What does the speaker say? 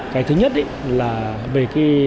cái thứ nhất là về cái